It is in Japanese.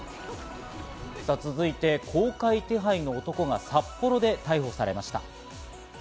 続いて、公開手配の男が札幌で逮捕されました。